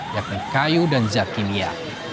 yakni kayu dan zat kimia